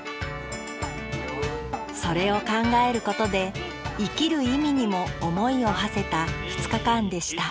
それを考えることで生きる意味にも思いをはせた２日間でした